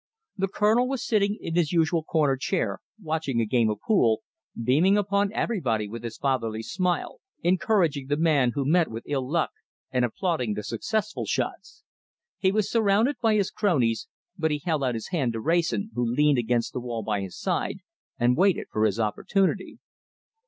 The Colonel was sitting in his usual corner chair, watching a game of pool, beaming upon everybody with his fatherly smile, encouraging the man who met with ill luck, and applauding the successful shots. He was surrounded by his cronies, but he held out his hand to Wrayson, who leaned against the wall by his side and waited for his opportunity.